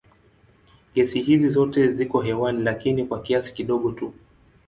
Gesi hizi zote ziko hewani lakini kwa kiasi kidogo tu.